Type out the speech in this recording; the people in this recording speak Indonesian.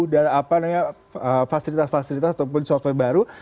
dan apa namanya fasilitas fasilitas ataupun software baru